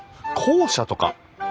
校舎とか？